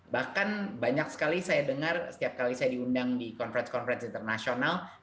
bahkan banyak sekali saya dengar setiap kali saya diundang di konference conference internasional